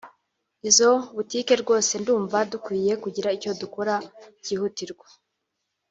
izo butike rwose ndumva dukwiye kugira icyo dukora cyihutirwa